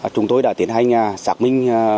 chúng tôi đã tiến hành xác minh